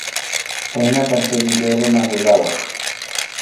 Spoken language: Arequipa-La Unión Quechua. Chhaynatam chay millay runa rurawaq.